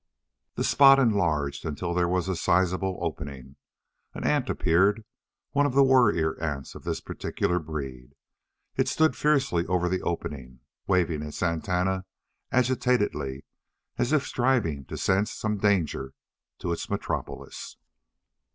The spot enlarged until there was a sizeable opening. An ant appeared, one of the warrior ants of this particular breed. It stood fiercely over the opening, waving its antennae agitatedly as if striving to sense some danger to its metropolis.